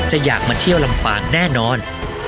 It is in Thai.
อยากมาเที่ยวลำปางแน่นอน